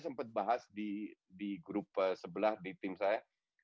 saya sempat bahas di grup sebelah di tim saya